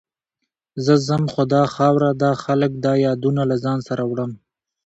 زه ځم، خو دا خاوره، دا خلک، دا یادونه له ځان سره وړم.